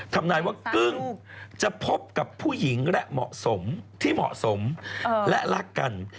ทำได้ว่ากึ้งจะพบกับผู้หญิงที่เหมาะสมและรักกัน